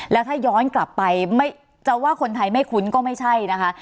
แล้วถ้าย้อนกลับไปจะว่าคนไทยไม่คุ้นก็ไม่ใช่นะคะ